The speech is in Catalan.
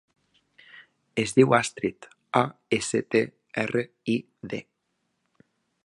Es diu Astrid: a, essa, te, erra, i, de.